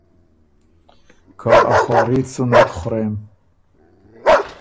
که ”ا خواري ت سُو نک خورېم“